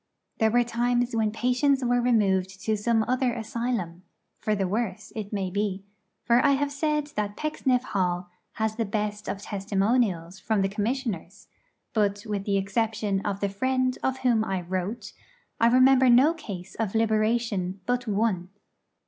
There were times when patients were removed to some other asylum for the worse, it may be; for I have said that Pecksniff Hall has the best of testimonials from the Commissioners; but, with the exception of the friend of whom I wrote, I remember no case of liberation but one.